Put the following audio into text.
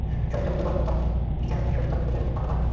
শরীর যখন দুর্বল হয়, তখনই বীজাণুগুলি শরীর দখল করিয়া রোগ উৎপন্ন করে।